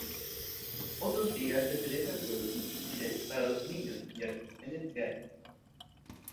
Otros días se celebran juegos infantiles para los niños y atracciones gratis.